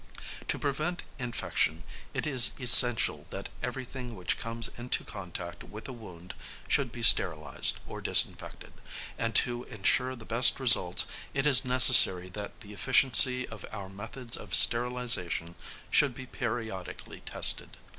To prevent infection, it is essential that everything which comes into contact with a wound should be sterilised or disinfected, and to ensure the best results it is necessary that the efficiency of our methods of sterilisation should be periodically tested.